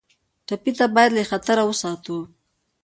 ټپي ته باید له خطره وساتو.